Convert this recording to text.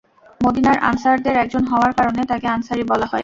মদীনার আনসারদের একজন হওয়ার কারণে তাঁকে আনসারী বলা হয়।